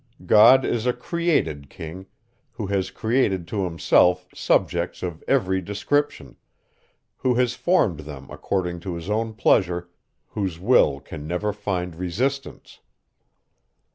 God is a created king, who has created to himself subjects of every description; who has formed them according to his own pleasure whose will can never find resistance.